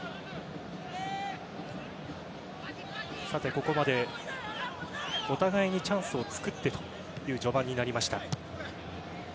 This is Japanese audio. ここまで、お互いにチャンスを作ってという序盤になりました。